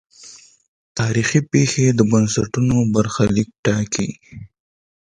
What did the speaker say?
تاریخي پېښې د بنسټونو برخلیک ټاکي.